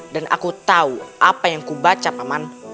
dan aku tau apa yang ku baca paman